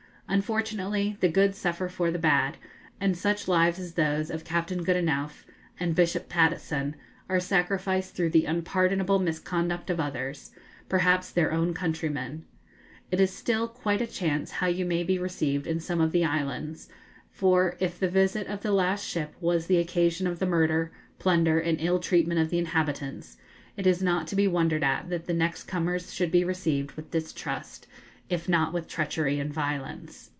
Unfortunately, the good suffer for the bad, and such lives as those of Captain Goodenough and Bishop Patteson are sacrificed through the unpardonable misconduct of others perhaps their own countrymen. It is still quite a chance how you may be received in some of the islands; for if the visit of the last ship was the occasion of the murder, plunder, and ill treatment of the inhabitants, it is not to be wondered at that the next comers should be received with distrust, if not with treachery and violence.